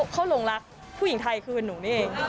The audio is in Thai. เขาหลงรักผู้หญิงไทยคือหนูนี่เอง